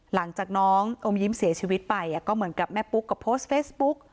หลังจากน้องอมยิ้มเสียชีวิตไปก็เหมือนกับแม่ปุ๊กก็โพสต์เฟซบุ๊ก